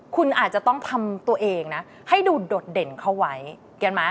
คุณอาจจะต้องทำตัวเองนะให้ดูโดดเด่นเข้าไว้เห็นไหม